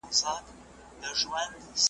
زړه می هر گړی ستا سترگي راته ستایی ,